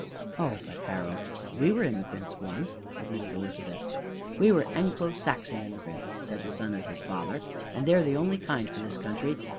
"Oh, but, Harold, we were immigrants once," admitted Elizabeth. "We were Anglo Saxon immigrants," said the son of his father; "and they're the only kind for this country.